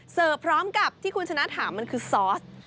พร้อมกับที่คุณชนะถามมันคือซอส